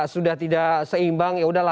sudah tidak seimbang yaudahlah